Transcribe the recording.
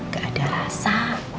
gak ada rasa